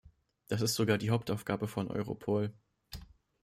Das ist sogar die Hauptaufgabe von Europol.